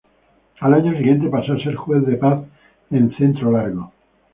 Al año siguiente pasó a ser Juez de Paz en Cerro Largo.